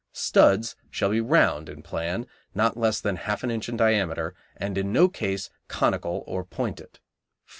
Studs shall be round in plan, not less than half an inch in diameter, and in no case conical or pointed[C].